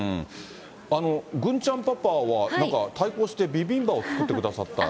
郡ちゃんパパは、なんか対抗してビビンバを作ってくださった。